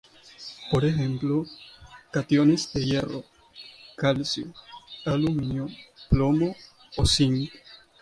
Por ejemplo, cationes de hierro, calcio, aluminio, plomo o zinc.